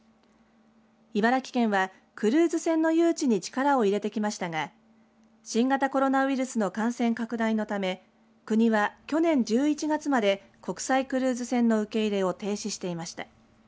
茨城県はクルーズ船の誘致に力を入れてきましたが新型コロナウイルスの感染拡大のため国は去年１１月まで国際クルーズ船の受け入れを停止していました。